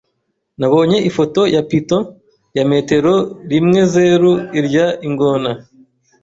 Nabonye ifoto ya python ya metero rimwezeru irya ingona.